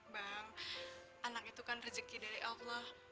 bang anak itu kan rezeki dari allah